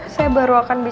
saya baru akan bisa